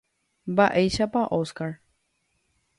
Mba'éichapa Óscar.